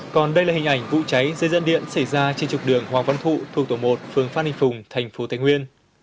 còn đây là hình ảnh vụ cháy dây dẫn điện xảy ra trên trục đường hoàng văn thụ thuộc tổng một phường phát ninh phùng thành phố thái nguyên